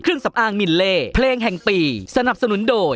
สำอางมิลเล่เพลงแห่งปีสนับสนุนโดย